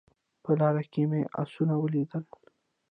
په لاره کې مې اسونه ولیدل